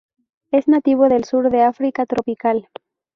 Es nativo del sur del África tropical.